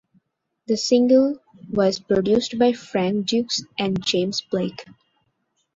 The single was produced by Frank Dukes and James Blake.